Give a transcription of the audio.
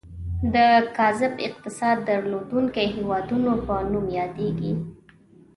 د کاذب اقتصاد درلودونکي هیوادونو په نوم یادیږي.